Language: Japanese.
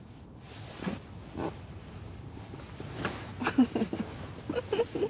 フフフフ。